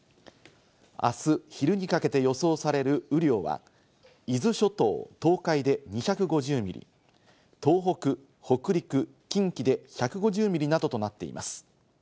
あす昼にかけて予想される雨量は、伊豆諸島、東海で２５０ミリ、東北、北陸、近畿で１５０ミリなどとなっています。